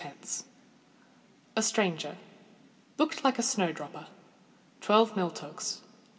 _ A Stranger—looked like a snow dropper. Twelve mill togs.